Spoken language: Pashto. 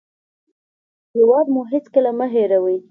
هېواد مو هېڅکله مه هېروئ